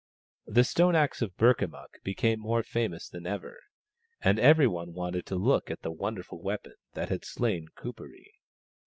The stone axe of Burkamukk became more famous than ever, and every one wanted to look at the wonderful weapon that had slain Kuperee.